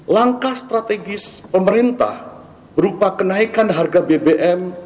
langkah strategis pemerintah berupa kenaikan harga bbm